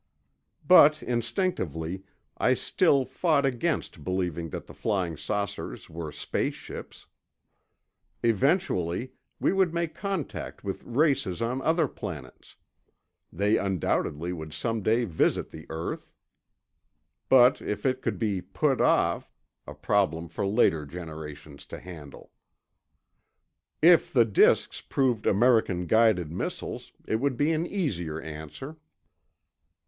But, instinctively, I still fought against believing that the flying saucers were space ships. Eventually, we would make contact with races on other planets; they undoubtedly would someday visit the earth. But if it could be put off ... a problem for later generations to handle ... If the disks proved American guided missiles, it would be an easier answer.